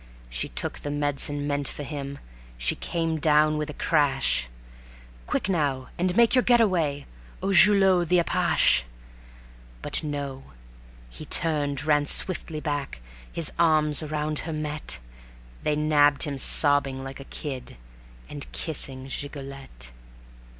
She took the medicine meant for him; she came down with a crash ... "Quick now, and make your get away, O Julot the apache!" ... But no! He turned, ran swiftly back, his arms around her met; They nabbed him sobbing like a kid, and kissing Gigolette.